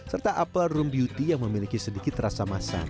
serta apel room beauty yang memiliki sedikit rasa masak